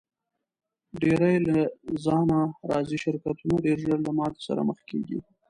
ډېری له ځانه راضي شرکتونه ډېر ژر له ماتې سره مخ کیږي.